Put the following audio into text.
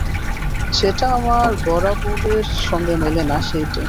যেটা আমার বরাবরের সঙ্গে মেলে না, সেইটে।